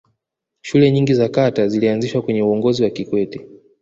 shule nyingi za kata zilianzishwa kwenye uongozi wa kikwete